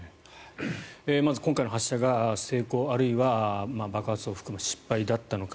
まず今回の発射が成功あるいは爆発を含む失敗だったのか。